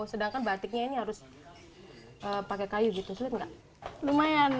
sedangkan batiknya ini harus pakai kayu gitu